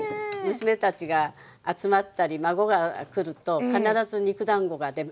娘たちが集まったり孫が来ると必ず肉だんごが出ます。